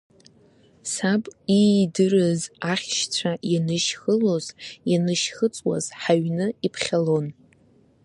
Саб иидырыз ахьшьцәа ианышьхылоз, ианышьхыҵуаз ҳаҩны иԥхьалон.